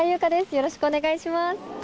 よろしくお願いします。